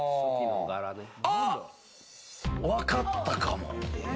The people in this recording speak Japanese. わかったかも！